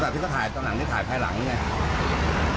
แต่ที่เขาถ่ายตอนหนังนี้ถ่ายภายหลังเนี่ย